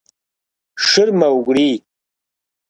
Шыр мэукӀурий…